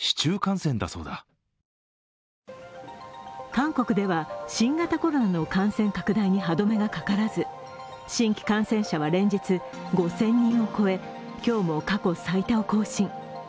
韓国では新型コロナの感染拡大に歯止めがかからず新規感染者は連日、５０００人を超え、今日も過去最多を更新。